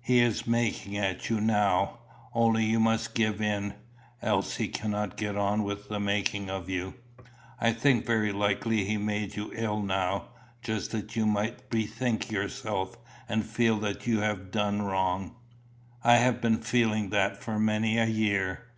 He is making at you now; only you must give in, else he cannot get on with the making of you. I think very likely he made you ill now, just that you might bethink yourself, and feel that you had done wrong." "I have been feeling that for many a year."